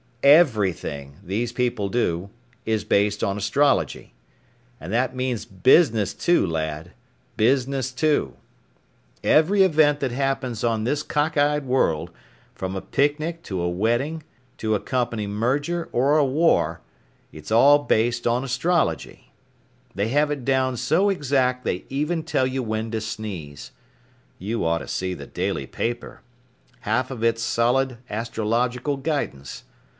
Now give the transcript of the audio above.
Everything these people do is based on astrology. And that means business too, lad, business too. Every event that happens on this cockeyed world, from a picnic to a wedding to a company merger or a war, it's all based on astrology. They have it down so exact they even tell you when to sneeze. You ought to see the daily paper. Half of it's solid astrological guidance.